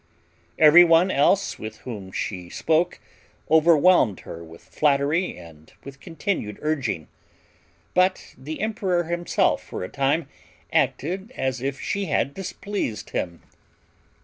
Every one else with whom she spoke overwhelmed her with flattery and with continued urging; but the emperor himself for a time acted as if she had displeased him.